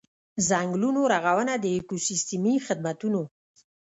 ځنګلونو رغونه د ایکوسیستمي خدمتونو.